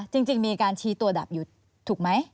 จริงมีการชี้ตัวดับอยู่ถูกไหม